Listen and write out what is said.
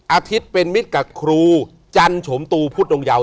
อาทิตย์เป็นมิตรกับครูจันโฉมตูพุทธดงเยาว